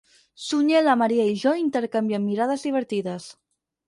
Sunyer la Maria i jo intercanviem mirades divertides.